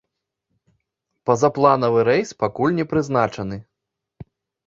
Пазапланавы рэйс пакуль не прызначаны.